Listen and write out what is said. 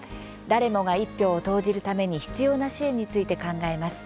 誰もが一票を投じるために必要な支援について考えます。